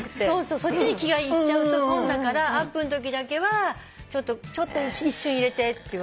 そっちに気がいっちゃうと損だからアップのときだけはちょっと一瞬入れてって言われて。